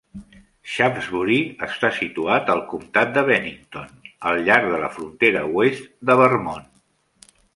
Shaftsbury està situat al comptat de Bennington, al llarg de la frontera oest de Vermont.